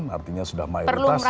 artinya sudah mayoritas